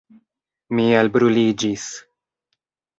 Mi elbruliĝis.